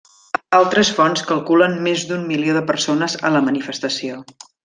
Altres fonts calculen més d'un milió de persones a la manifestació.